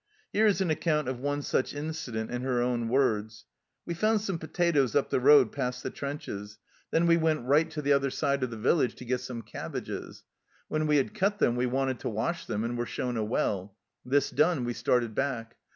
Here is an account of one such incident in her own words :" We found some potatoes up the road past the trenches. Then we went right to the other VARIED LIFE IN PERVYSE 149 side of the village to get some cabbages. When we had cut them we wanted to wash them, and were shown a well. This done, we started back.